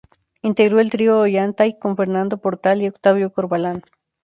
Integró el Trío Ollantay con Fernando Portal y Octavio Corvalán.